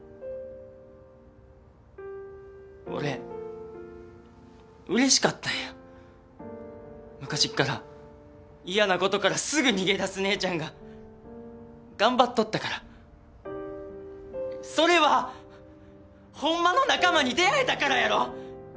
俺うれしかったんや昔っから嫌なことからすぐ逃げ出す姉ちゃんが頑張っとったからそれはほんまの仲間に出会えたからやろ？